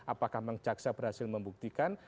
apakah mencaksa berhasil membuktikan